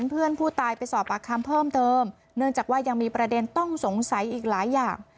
เพื่อนผู้ตายไปสอบปากคำเพิ่มเติมเนื่องจากว่ายังมีประเด็นต้องสงสัยอีกหลายอย่าง